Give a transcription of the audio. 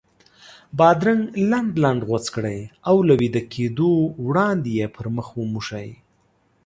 بادرنګ لنډ لنډ غوڅ کړئ او له ویده کېدو وړاندې یې پر مخ وموښئ.